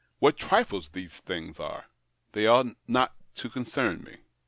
What trifles these things are ! They ought not to concern me.